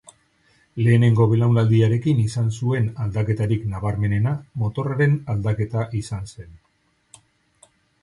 Lehenengo belaunaldiarekin izan zuen aldaketarik nabarmenena motorraren aldaketa izan zen.